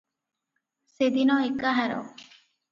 ସେଦିନ ଏକାହାର ।